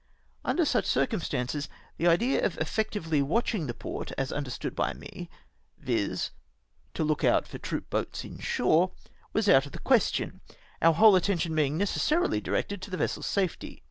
Under such cu'cumstances, the idea of effectively watching the port, as understood by me, — viz. to look TIIEX TO CRUISE IN THE NORTH SEA. 1G9 out for troop boats inshore, — was out of the question, our whole attention being necessarily directed to the vessel's safety.